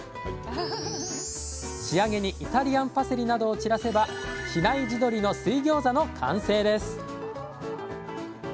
仕上げにイタリアンパセリなどを散らせば「比内地鶏の水餃子」の完成です！